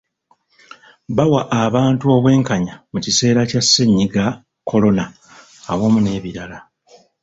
Bawa abantu obwenkanya mu kiseera kya ssennyiga korona awamu n'ebirala.